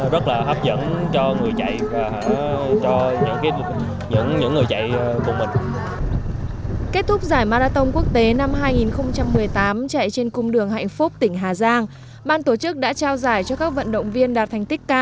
rất là hấp dẫn cho người chạy cho những người chạy cùng mình